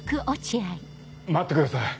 待ってください